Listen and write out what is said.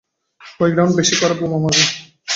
কয়েক রাউন্ড বেশি করে বোমা মারবেন।